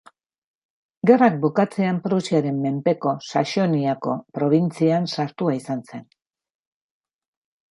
Gerrak bukatzean Prusiaren menpeko Saxoniako probintzian sartua izan zen.